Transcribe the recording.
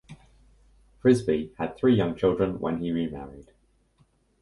Frisbie had three young children when he remarried.